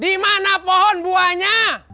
dimana pohon buahnya